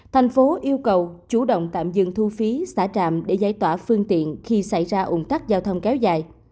thành phố yêu cầu chủ động tạm dừng thu phí xả trạm để giải tỏa phương tiện khi xảy ra ủng tắc giao thông kéo dài